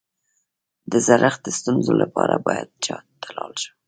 د زړښت د ستونزو لپاره باید چا ته لاړ شم؟